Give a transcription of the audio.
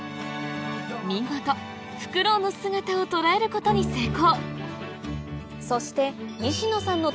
見事フクロウの姿を捉えることに成功！